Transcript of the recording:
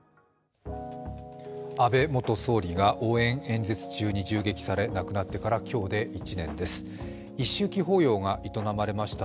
安倍元総理が応援演説中に銃撃され亡くなってから今日で１年です、一周忌法要が営まれました。